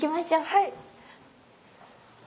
はい。